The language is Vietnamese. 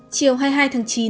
chiều hai mươi hai tháng chín